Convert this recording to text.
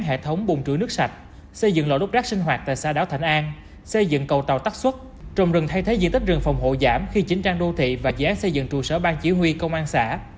hai dự án hệ thống thu gom trữ nước sạch xây dựng lộ đốt rác sinh hoạt tại xã đảo thành an xây dựng cầu tàu tắt xuất trồng rừng thay thế diện tích rừng phòng hộ giảm khi chính trang đô thị và dự án xây dựng trụ sở bang chỉ huy công an xã